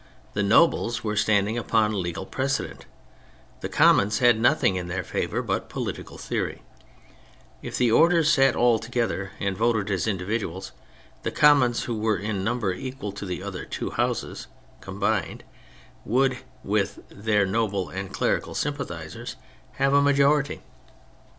The Nobles were standing upon legal precedent : the Commons had nothing in their favour but political theory; if the orders sat all together and voted as individuals, the Commons, who were in number equal to the two other Houses combined, would, with their noble and clerical sympathisers, have a majority.